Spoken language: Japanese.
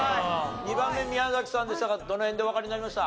２番目宮崎さんでしたがどの辺でおわかりになりました？